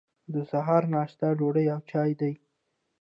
د سهار ناشته ډوډۍ او چای دی.